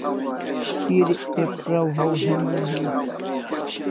Kirik pe praw haw heman hiu